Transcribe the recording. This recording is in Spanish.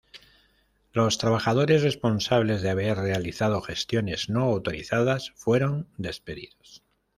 Los trabajadores responsables de haber realizado gestiones no autorizadas fueron despedidos.